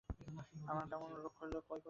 আমার কেমন রোক হল, ঐ পথেই যাব।